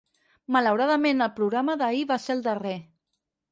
Malauradament el programa d’ahir va ser el darrer.